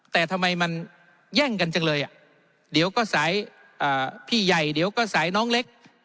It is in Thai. แต่ทำไมมันแย่งกันจังเลยอ่ะเดี๋ยวก็สายพี่ใหญ่เดี๋ยวก็สายน้องเล็ก